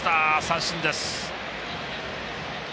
三振です。